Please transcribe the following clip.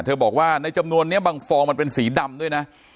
บอกว่าในจำนวนนี้บางฟองมันเป็นสีดำด้วยนะ